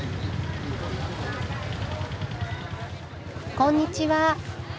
こんにちは。